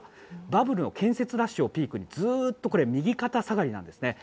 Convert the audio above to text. バブルの建設ラッシュをピークにずっと右肩下がりなんです。